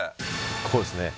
こうですね。